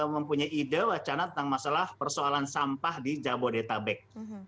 mempunyai ide wacana tentang masalah persoalan sampah di jabodetabek